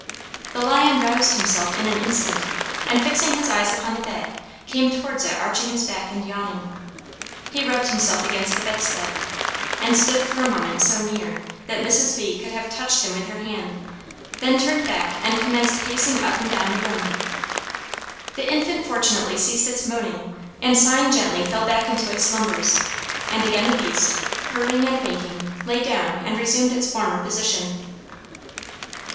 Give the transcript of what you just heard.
The lion roused himself in an instant, and fixing his eyes upon the bed came towards it arching his back and yawning. He rubbed himself against the bedstead and stood for a moment so near that Mrs. V. could have touched him with her hand, then turned back and commenced pacing up and down the room. The infant fortunately ceased its moaning and sighing gently fell back into its slumbers; and again the beast, purring and winking, lay down and resumed its former position.